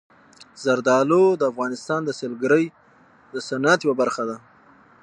زردالو د افغانستان د سیلګرۍ د صنعت یوه برخه ده.